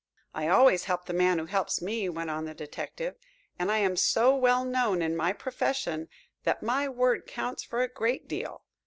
"I always help the man who helps me," went on the detective. "And I am so well known in my profession that my word counts for a great deal.